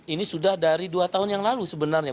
ini sudah dari dua tahun yang lalu sebenarnya